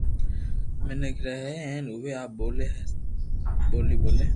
مينک رھي ھي ھين اووي آ ٻولي ٻولي ھي